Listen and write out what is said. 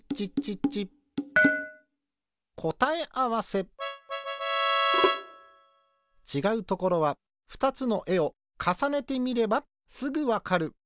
こたえあわせちがうところはふたつのえをかさねてみればすぐわかる。